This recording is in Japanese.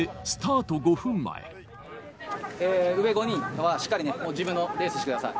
上５人は、しっかり自分のレースをしてください。